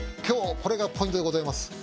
今日はこれがポイントでございます。